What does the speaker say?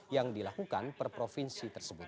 yang dilakukan per provinsi tersebut